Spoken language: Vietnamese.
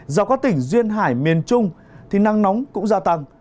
do các tỉnh duyên hải miền trung thì năng nóng cũng gia tăng